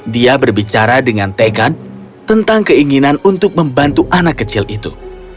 dia berbicara dengan tekan tentang keinginan untuk membantu anak kecil itu